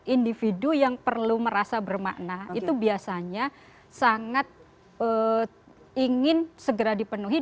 individu yang perlu merasa bermakna itu biasanya sangat ingin segera dipenuhi